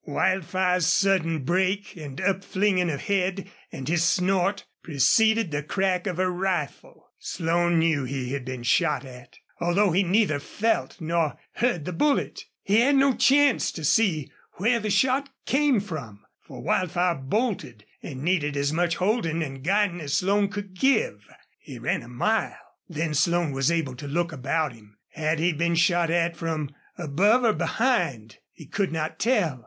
Wildfire's sudden break and upflinging of head and his snort preceded the crack of a rifle. Slone knew he had been shot at, although he neither felt nor heard the bullet. He had no chance to see where the shot came from, for Wildfire bolted, and needed as much holding and guiding as Slone could give. He ran a mile. Then Slone was able to look about him. Had he been shot at from above or behind? He could not tell.